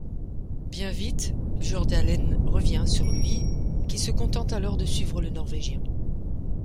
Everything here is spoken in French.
Bien vite, Bjørndalen revient sur lui, qui se contente alors de suivre le Norvégien.